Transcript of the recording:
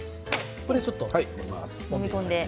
これで、ちょっともみます。